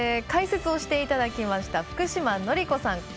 解説をしていただきました福島のり子さん